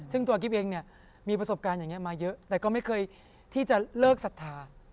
ซึ่งตัวกิ๊บเองเนี่ยมีประสบการณ์อย่างนี้มาเยอะแต่ก็ไม่เคยที่จะเลิกศรัทธา